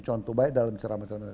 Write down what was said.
contoh baik dalam ceramah ceramah